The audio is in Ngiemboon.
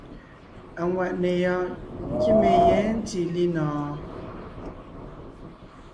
Aŋwàʼne yɔɔn kíme yɛ̌ ntí linɔ̀ɔn?